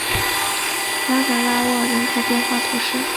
拉格拉沃人口变化图示